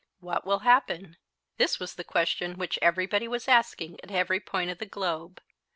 What will happen? This was the question which everybody was asking at every point of the globe.